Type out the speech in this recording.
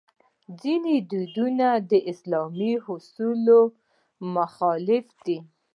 ځینې دودونه د اسلامي اصولو سره مخالف دي.